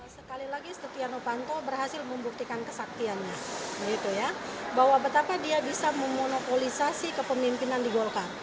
sekali lagi setia novanto berhasil membuktikan kesaktiannya bahwa betapa dia bisa memonopolisasi kepemimpinan di golkar